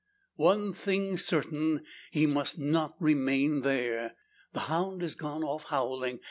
One thing certain he must not remain there. The hound has gone off howling.